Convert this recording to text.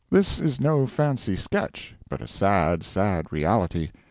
This is no fancy sketch, but a sad, sad reality.